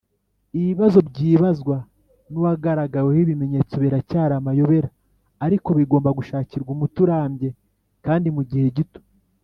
ibibazo byibazwa nuwagaragaweho ibimenyetso biracyari amayobera ariko bigomba gushakirwa umuti urambye kandi mugihe gito.